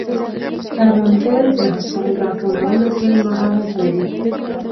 کروندګر د حاصل راټولولو کې مهارت لري